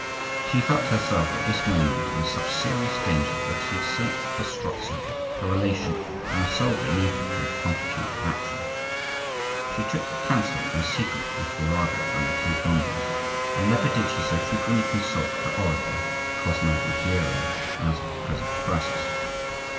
She felt herself at this moment in such serious danger that she had sent for Strozzi, her relation and a soldier noted for his promptitude of action. She took counsel in secret with Birago and the two Gondis, and never did she so frequently consult her oracle, Cosmo Ruggiero, as at the present crisis.